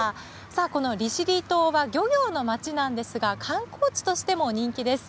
さあ、この利尻島は漁業の町なんですが、観光地としても人気です。